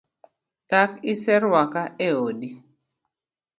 Dak iseruaka e odi?